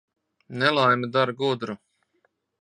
Nelaime dara gudru.